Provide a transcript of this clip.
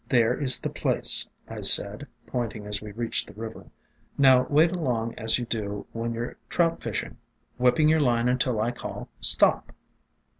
"There is the place," I said, pointing as we reached the river. "Now wade along as you do when you 're trout fishing, whipping your line until I call, Stop!"